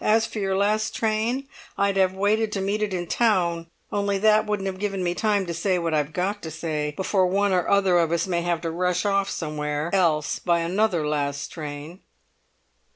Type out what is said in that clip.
As for your last train, I'd have waited to meet it in town, only that wouldn't have given me time to say what I've got to say before one or other of us may have to rush off somewhere else by another last train."